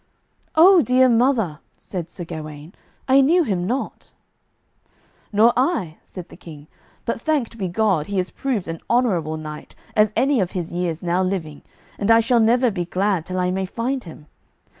"Oh dear mother," said Sir Gawaine, "I knew him not." "Nor I," said the King; "but thanked be God, he is proved an honourable knight as any of his years now living, and I shall never be glad till I may find him.